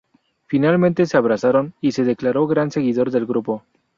Finalmente se abrazaron y se declaró gran seguidor del grupo.